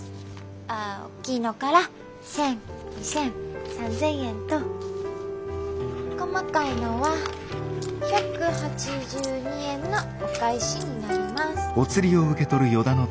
あおっきいのから１，０００２，０００３，０００円と細かいのは１８２円のお返しになります。